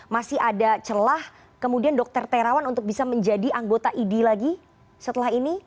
masih ada celah kemudian dr terawan untuk bisa menjadi anggota idi lagi setelah ini